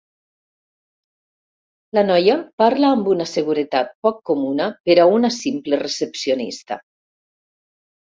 La noia parla amb una seguretat poc comuna per a una simple recepcionista.